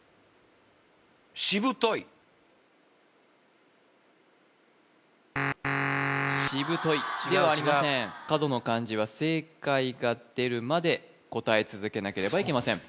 しぶといではありません角の漢字は正解が出るまで答え続けなければいけません